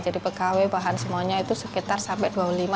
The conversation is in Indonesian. jadi pekawai bahan semuanya itu sekitar sampai dua puluh lima tiga puluh